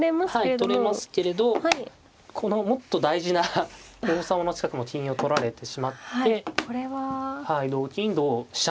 取れますけれどこのもっと大事な王様の近くの金を取られてしまって同金同飛車